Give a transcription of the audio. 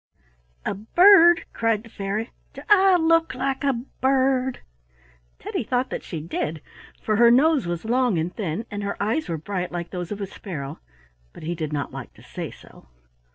"A bird!" cried the fairy. "Do I look like a bird?" Teddy thought that she did, for her nose was long and thin, and her eyes were bright like those of a sparrow, but he did not like to say so.